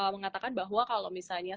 mengatakan bahwa kalau misalnya